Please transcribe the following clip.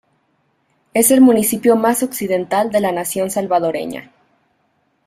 Es el municipio más occidental de la nación salvadoreña.